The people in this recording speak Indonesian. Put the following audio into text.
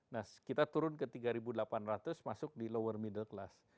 nah kita turun ke tiga delapan ratus masuk di lower middle class